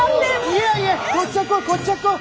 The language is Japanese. いやいやこっちゃ来うこっちゃ来う。